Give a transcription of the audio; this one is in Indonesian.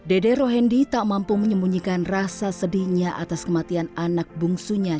dede rohendi tak mampu menyembunyikan rasa sedihnya atas kematian anak bungsunya